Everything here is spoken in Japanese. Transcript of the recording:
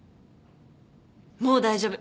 もう大丈夫。